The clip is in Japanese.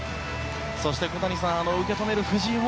そして、小谷さん受け止める藤井萌